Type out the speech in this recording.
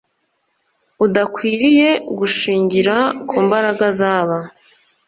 udakwiriye gushingira ku mbaraga zaba